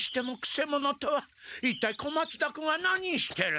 一体小松田君は何してる？